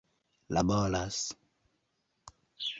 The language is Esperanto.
laboras